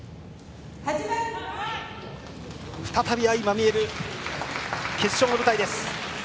再び相まみえる決勝の舞台です。